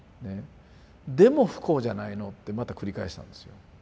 「でも不幸じゃないの」ってまた繰り返したんですよ。